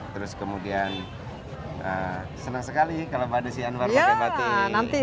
terus kemudian senang sekali kalau mbak desi anwar pakai batik